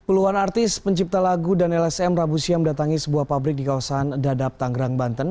peluang artis pencipta lagu dan lsm rabu siam datangi sebuah pabrik di kawasan dadap tanggrang banten